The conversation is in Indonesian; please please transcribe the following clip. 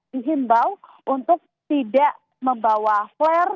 dihimbau untuk tidak membawa flare